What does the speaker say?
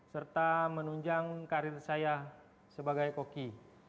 serta menunjang karir saya sebagai koki